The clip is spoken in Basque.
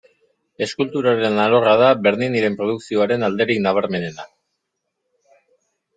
Eskulturaren alorra da Berniniren produkzioaren alderik nabarmenena.